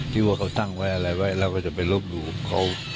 ที่ว่าเขาตั้งไว้อะไรไว้แล้วก็จะไปรบดูของเขา